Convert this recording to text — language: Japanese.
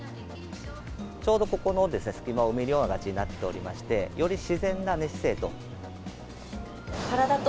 ちょうどここの隙間を埋めるような形になっておりまして、より自然な寝姿勢と。